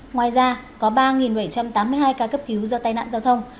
ngoài ra có ba bảy trăm tám mươi hai ca cấp cứu do tai nạn giao thông